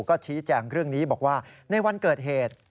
ก็ชี้แจงเรื่องนี้บอกว่าในวันเกิดเหตุ